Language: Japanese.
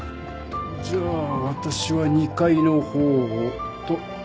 じゃあ私は２階のほうをと。